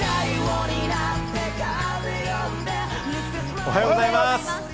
おはようございます。